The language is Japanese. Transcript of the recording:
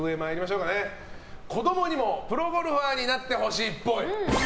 子供にもプロゴルファーになってほしいっぽい。